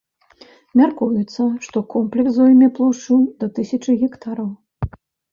Мяркуецца, што комплекс зойме плошчу да тысячы гектараў.